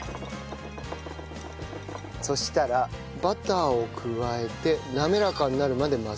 そしたらバターを加えて滑らかになるまで混ぜる。